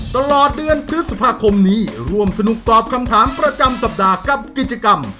ตลอดเดือนพฤษภาคมนี้ร่วมสนุกตอบคำถามประจำสัปดาห์กับกิจกรรม